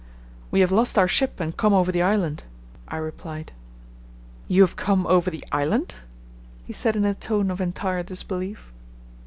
"We have lost our ship and come over the island," I replied. "You have come over the island?" he said in a tone of entire disbelief.